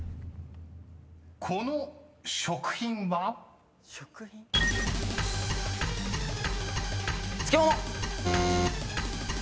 ［この食品は？］漬物！